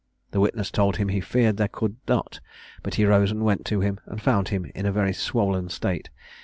The witness told him he feared there could not; but he rose and went to him, and found him in a very swollen state.